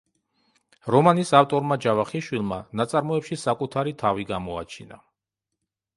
რომანის ავტორმა ჯავახიშვილმა ნაწარმოებში საკუთარი თავი გამოაჩინა.